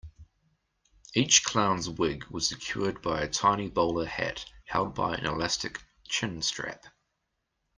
Each clown's wig was secured by a tiny bowler hat held by an elastic chin-strap.